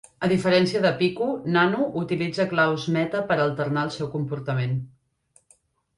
A diferència de Pico, Nano utilitza claus meta per alternar el seu comportament.